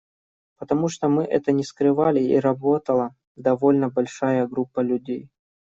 Потому что мы это не скрывали, и работала довольно большая группа людей.